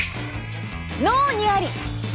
脳にあり！